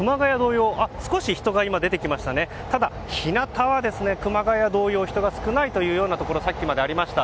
少し人が出てきましたがただ、日なたは熊谷同様、人が少ないというさっきまでありました。